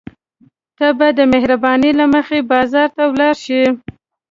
ته به د مهربانۍ له مخې بازار ته ولاړ شې.